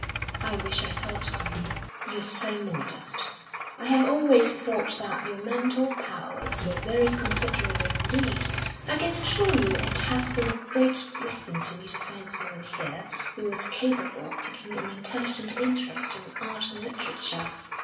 "I wish I thought so." "You're so modest. I have always thought that your mental powers were very considerable indeed. I can assure you it has been a great blessing to me to find someone here who was capable of taking an intelligent interest in Art and Literature.